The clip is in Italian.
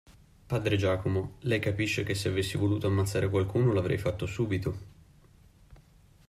Padre Giacomo, lei capisce che se avessi voluto ammazzare qualcuno l'avrei fatto subito.